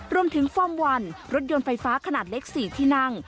ฟอร์มวันรถยนต์ไฟฟ้าขนาดเล็ก๔ที่นั่ง